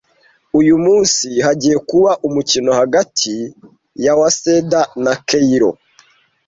Uyu munsi hagiye kuba umukino hagati ya Waseda na Keio.